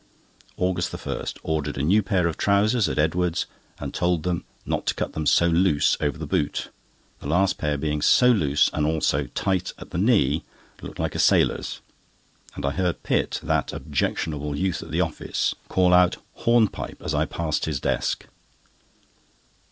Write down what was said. AUGUST 1.—Ordered a new pair of trousers at Edwards's, and told them not to cut them so loose over the boot; the last pair being so loose and also tight at the knee, looked like a sailor's, and I heard Pitt, that objectionable youth at the office, call out "Hornpipe" as I passed his desk.